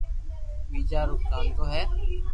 ٻيجا رو ڪانتو ھي